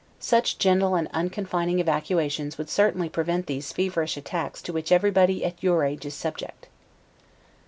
Such gentle and unconfining evacuations would certainly prevent those feverish attacks to which everybody at your age is subject.